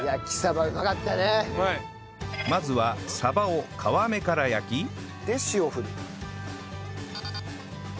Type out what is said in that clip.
まずは鯖を皮目から焼きで塩を振る。